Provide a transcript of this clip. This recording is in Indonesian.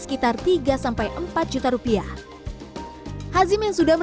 kotak campurnya digantungkan dari tangan yang sapi